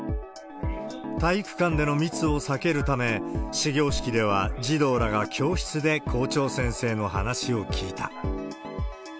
体育館での密を避けるため、始業式では児童らが教室で校長先生の話を聞いた。